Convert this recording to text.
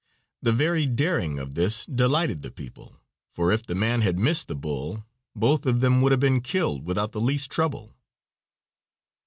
The very daring of this delighted the people, for if the man had missed the bull both of them would have been killed without the least trouble.